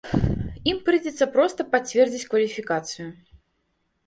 Ім прыйдзецца проста пацвердзіць кваліфікацыю.